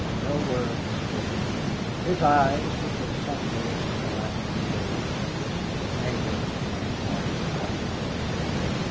No word escaped him; his eyes, which had sunk a little the last few days, rested angrily on his wife's white face.